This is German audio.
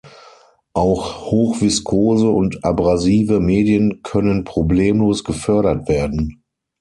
Auch hochviskose und abrasive Medien können problemlos gefördert werden.